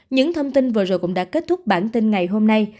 những thông tin vừa rồi cũng đã kết thúc bản tin ngày hôm nay